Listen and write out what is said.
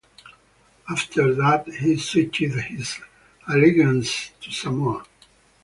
After that, he switched his allegiance to Samoa.